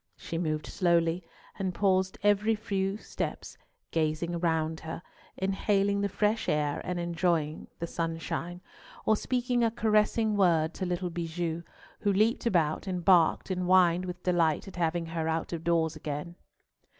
She moved slowly, and paused every few steps, gazing round her, inhaling the fresh air and enjoying the sunshine, or speaking a caressing word to little Bijou, who leaped about, and barked, and whined with delight at having her out of doors again.